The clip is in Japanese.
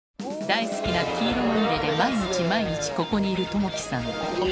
大好きな黄色まみれで毎日毎日ここにいるともきさん